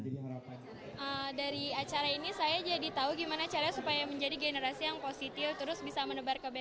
dari acara ini saya jadi tahu gimana caranya supaya menjadi generasi yang positif terus bisa menebar kebaikan